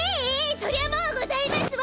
そりゃもうございますわ。